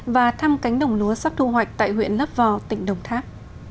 và thăm cánh đồng lúa sắp thu hoạch tại huyện lấp vò tỉnh đồng tháp